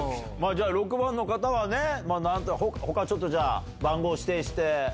じゃあ６番の方はね、ほか、ちょっとじゃあ、番号指定して。